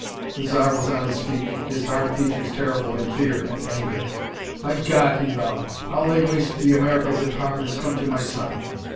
The Zar was on his feet, his hard features terrible in fear and anger. "By God!" he vowed, "I'll lay waste the Americas if harm has come to my son.